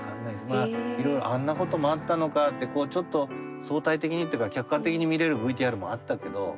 まあいろいろあんなこともあったのかってちょっと相対的にっていうか客観的に見れるＶＴＲもあったけど